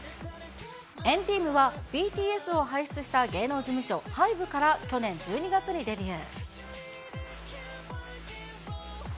＆ＴＥＡＭは、ＢＴＳを輩出した芸能事務所、ハイブから去年１２月にデビュー。